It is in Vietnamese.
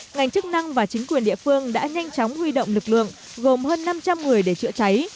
ngành chức năng và chính quyền địa phương đã nhanh chóng huy động lực lượng gồm hơn năm trăm linh người để chữa cháy